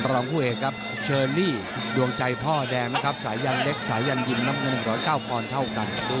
รองผู้เอกครับเชอรี่ดวงใจพ่อแดงนะครับสายันเล็กสายันยิมน้ำเงิน๑๐๙ปอนด์เท่ากัน